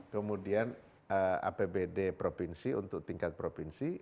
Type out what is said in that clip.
kemudian apbd provinsi untuk tingkat provinsi